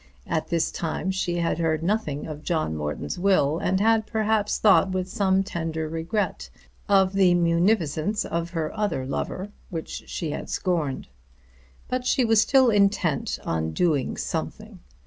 At this time she had heard nothing of John Morton's will, and had perhaps thought with some tender regret of the munificence of her other lover, which she had scorned. But she was still intent on doing something.